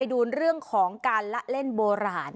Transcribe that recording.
ดูเรื่องของการละเล่นโบราณ